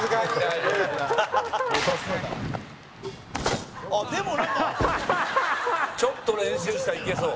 後藤：ちょっと練習したらいけそう。